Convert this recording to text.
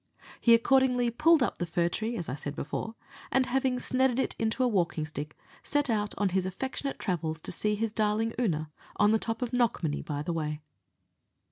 He accordingly pulled up the fir tree, as I said before, and having snedded it into a walking stick, set out on his affectionate travels to see his darling Oonagh on the top of Knockmany, by the way.